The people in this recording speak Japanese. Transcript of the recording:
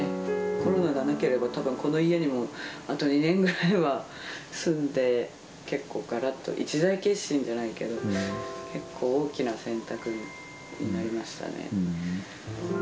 コロナがなければたぶんこの家にも、あと２年くらいは住んで、結構がらっと、一大決心じゃないけど、結構大きな選択になりまし